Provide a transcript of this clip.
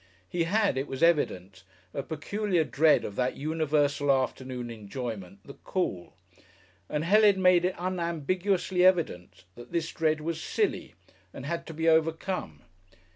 He had, it was evident, a peculiar dread of that universal afternoon enjoyment, the Call, and Helen made it unambiguously evident that this dread was "silly" and had to be overcome.